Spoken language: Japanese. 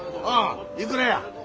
いくらや？